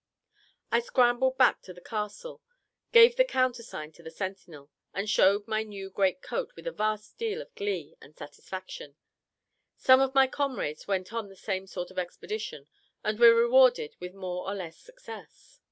I scrambled back to the castle, gave the countersign to the sentinel, and showed my new great coat with a vast deal of glee and satisfaction; some of my comrades went on the same sort of expedition, and were rewarded with more or less success.